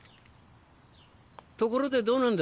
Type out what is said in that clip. ところでどうなんだ？